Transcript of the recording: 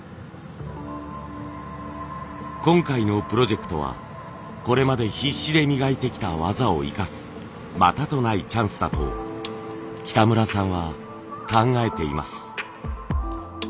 今回のプロジェクトはこれまで必死で磨いてきた技を生かすまたとないチャンスだと北村さんは考えています。